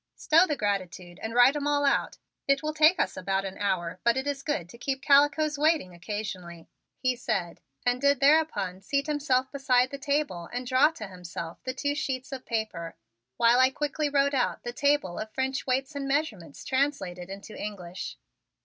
"Stow the gratitude and write 'em all out. It will take us about an hour but it is good to keep calicoes waiting occasionally," he said, and did thereupon seat himself beside the table and draw to himself the two sheets of paper, while I quickly wrote out the table of French weights and measurements translated into English.